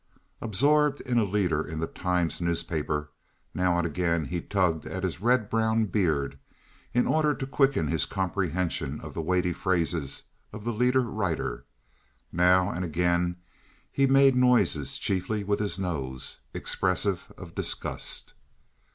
Absorbed in a leader in The Times newspaper, now and again he tugged at his red brown beard in order to quicken his comprehension of the weighty phrases of the leader writer; now and again he made noises, chiefly with his nose, expressive of disgust.